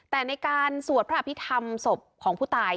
แต่ในการสวดพระอภิษฐรรมศพของผู้ตาย